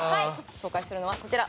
紹介するのはこちら。